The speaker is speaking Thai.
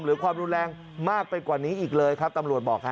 หรือความรุนแรงมากไปกว่านี้อีกเลยครับตำรวจบอกฮะ